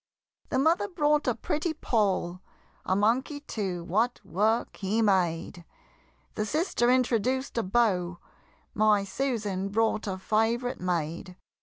The mother brought a pretty Poll A monkey too, what work he made! The sister introduced a Beau My Susan brought a favorite maid.